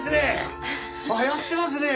やってますねえ